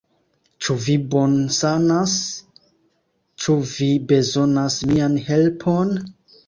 Ĉu vi bonsanas? Ĉu vi bezonas mian helpon?